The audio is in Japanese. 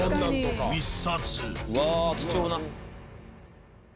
うわー貴重な。